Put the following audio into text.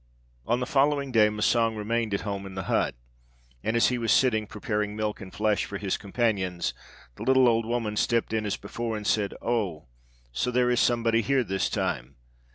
On the following day Massang remained at home in the hut, and as he was sitting preparing milk and flesh for his companions, the little old woman stepped in as before and said, 'Oh, so there is somebody here this time?